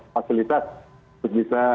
fasilitas untuk bisa